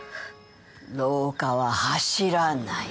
廊下は走らない。